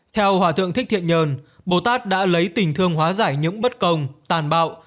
theo hòa thượng thích thiện nhờn bồ tát đã lấy tình thương hóa giải những bất công tàn bạo